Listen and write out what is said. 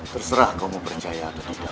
terserah kau mau percaya atau tidak